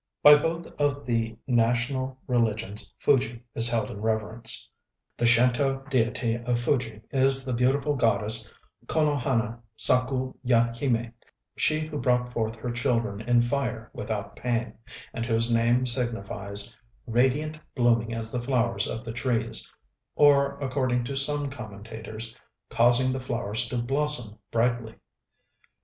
By both of the national religions Fuji is held in reverence. The Shint┼Ź deity of Fuji is the beautiful goddess Ko no hana saku ya him├®, she who brought forth her children in fire without pain, and whose name signifies ŌĆ£Radiant blooming as the flowers of the trees, ŌĆØ or, according to some commentators, ŌĆ£Causing the flowers to blossom brightly.